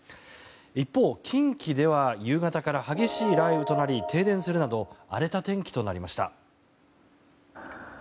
一方、近畿では夕方から激しい雷雨となり停電するなど荒れた天気となりました。